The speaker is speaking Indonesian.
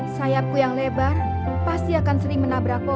sayapku yang lebar pasti akan sering menabrak pohon